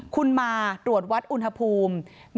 คุณมาตรวจวัดอุณหภูมิ